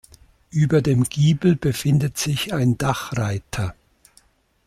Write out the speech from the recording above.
Über dem Giebel befindet sich ein Dachreiter.